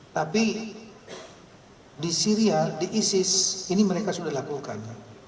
tapi di syria di isis ini mereka sudah lakukan